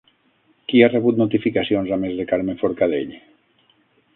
Qui ha rebut notificacions a més de Carme Forcadell?